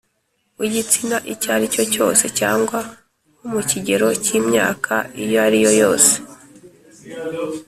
w’igitsina icyo ari cyo cyose cyangwa wo mu kigero cy’imyaka iyo ari yo yose